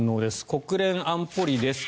国連安保理です。